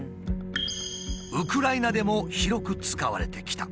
ウクライナでも広く使われてきた。